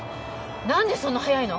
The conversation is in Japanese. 何でそんな早いの！？